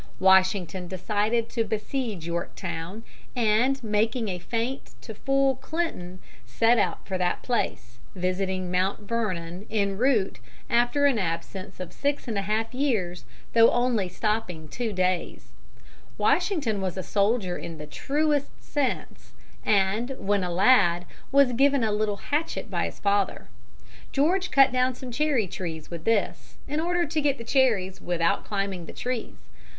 Washington decided to besiege Yorktown, and, making a feint to fool Clinton, set out for that place, visiting Mount Vernon en route after an absence of six and a half years, though only stopping two days. Washington was a soldier in the true sense, and, when a lad, was given a little hatchet by his father. George cut down some cherry trees with this, in order to get the cherries without climbing the trees.